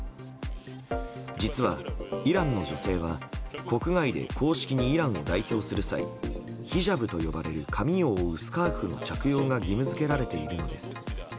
実は、イランの女性は国外で公式にイランを代表する際ヒジャブと呼ばれる髪を覆うスカーフの着用が義務付けられているのです。